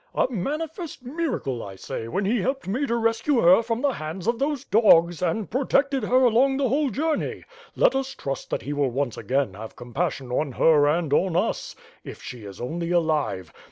"A manifest miracle, I say, when he helped me to rescue her from the hands of those dogs, and protected her along the whole journey. Let us trust that he will once again have compassion on her and on us. If she is only alive!